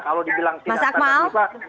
kalau dibilang tidak tahan hati